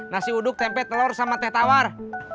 nasi uduk tempe telur sama teh tawar